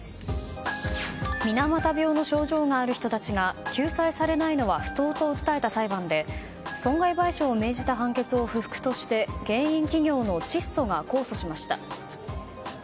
水俣病の症状がある人たちが救済されないのは不当と訴えた裁判で損害賠償を命じた判決を不服として原因企業のチッソが控訴しました。